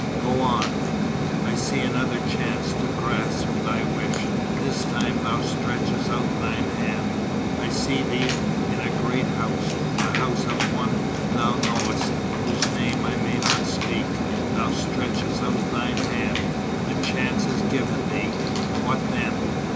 "Go on." "I see another chance to grasp thy wish. This time thou stretchest out thine hand. I see thee, in a great house the house of one thou knowest, whose name I may not speak. Thou stretchest out thine hand. The chance is given thee " "What then?"